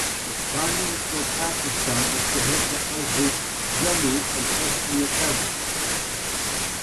The Prime Minister of Pakistan was to head the Azad Jammu and Kashmir Council.